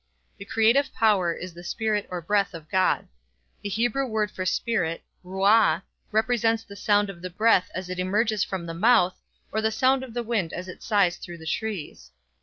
The creative power is the spirit or breath of God. The Hebrew word for spirit (ruah) represents the sound of the breath as it emerges from the mouth or the sound of the wind as it sighs through the trees.